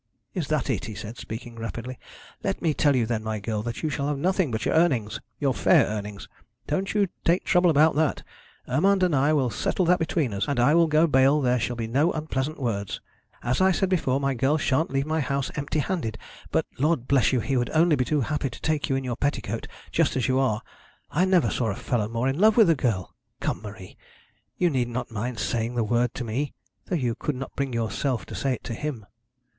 'Is that it?' he said, speaking rapidly. 'Let me tell you then, my girl, that you shall have nothing but your earnings, your fair earnings. Don't you take trouble about that. Urmand and I will settle that between us, and I will go bail there shall be no unpleasant words. As I said before, my girl sha'n't leave my house empty handed; but, Lord bless you, he would only be too happy to take you in your petticoat, just as you are. I never saw a fellow more in love with a girl. Come, Marie, you need not mind saying the word to me, though you could not bring yourself to say it to him.'